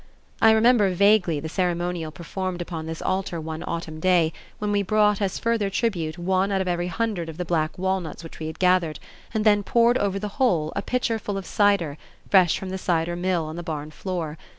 I remember rather vaguely the ceremonial performed upon this altar one autumn day, when we brought as further tribute one out of every hundred of the black walnuts which we had gathered, and then poured over the whole a pitcher full of cider, fresh from the cider mill on the barn floor.